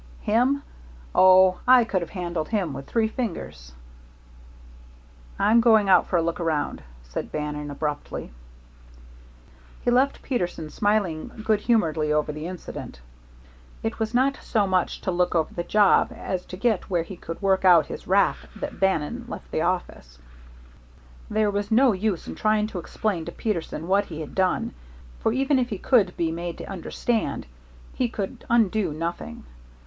"Him! Oh, I could have handled him with three fingers." "I'm going out for a look around," said Bannon, abruptly. He left Peterson still smiling good humoredly over the incident. It was not so much to look over the job as to get where he could work out his wrath that Bannon left the office. There was no use in trying to explain to Peterson what he had done, for even if he could be made to understand, he could undo nothing.